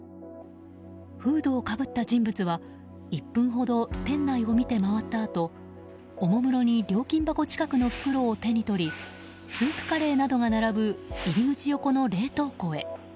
フードをかぶった人物は１分ほど店内を見て回ったあとおもむろに料金箱近くの袋を手に取りスープカレーなどが並ぶ入り口横の冷凍庫へ。